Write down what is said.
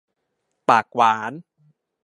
ปากหวาน